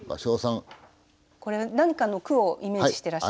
これ何かの句をイメージして。